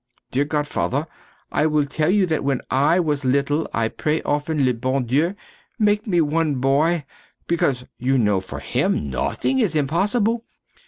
Dear godfather, I will tell you that when I was little I pray often the bon Dieu make me one boy, because you know, for Him nothing is impossible.